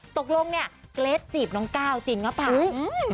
ตกลงเนี่ยเกรทจีบน้องก้าวจริงหรือเปล่า